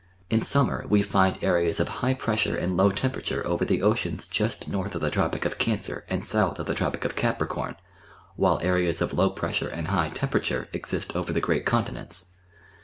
In summer we find areas of high pressure and low temperature over the oceans just north of the Tropic of Cancer and south of the Tropic of Capricorn, while areas of low pressure and high temperature exist over the great continents.